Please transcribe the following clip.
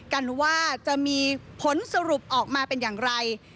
กันว่าจะมีผลสรุปออกมาเป็นอย่างไร